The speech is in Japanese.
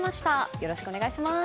よろしくお願いします。